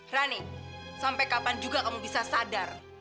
rani sampai kapan juga kamu bisa sadar